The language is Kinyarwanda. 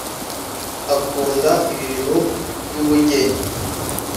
Akunda ibintu by’ubugeni